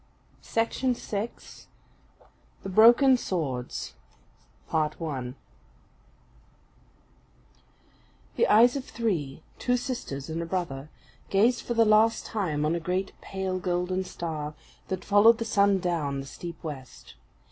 ISA. LX 20. THE BROKEN SWORDS The eyes of three, two sisters and a brother, gazed for the last time on a great pale golden star, that followed the sun down the steep west.